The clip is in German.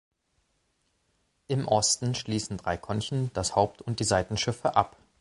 Im Osten schließen drei Konchen das Haupt- und die Seitenschiffe ab.